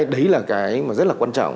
đấy là cái rất là quan trọng